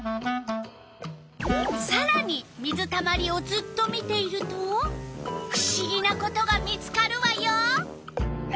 さらに水たまりをずっと見ているとふしぎなことが見つかるわよ！